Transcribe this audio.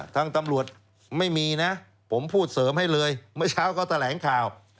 ทางตำรวจไม่มีนะผมพูดเสริมให้เลยเมื่อเช้าเขาแถลงข่าว